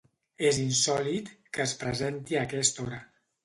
És insòlit que es presenti a aquesta hora.